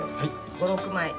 ５６枚。